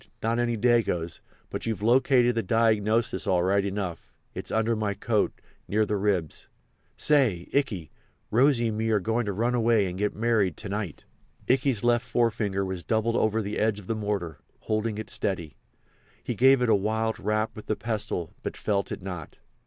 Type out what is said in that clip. "Not any Dagoes. But you've located the diagnosis all right enough—it's under my coat, near the ribs. Say! Ikey—Rosy and me are goin' to run away and get married to night." Ikey's left forefinger was doubled over the edge of the mortar, holding it steady. He gave it a wild rap with the pestle, but felt it not.